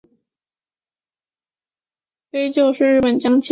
飞鹫是日本将棋的棋子之一。